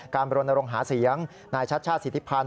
การบริโรนโรงหาเสียงนายชัดชาติสิทธิพันธ์